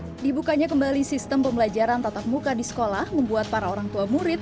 hai dibukanya kembali sistem pembelajaran tatap muka di sekolah membuat para orang tua murid